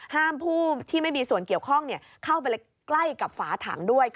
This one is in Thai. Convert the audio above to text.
ผู้ที่ไม่มีส่วนเกี่ยวข้องเข้าไปใกล้กับฝาถังด้วย